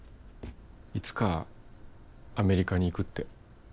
いつかアメリカに行くって。